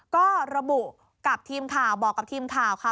ก็ระบุกับทีมข่าวบอกกับทีมข่าวค่ะ